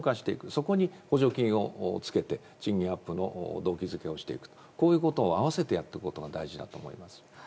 そこに補助金をつけて賃金アップの動機づけをしていくことを併せてやっていくことが大事だと思います。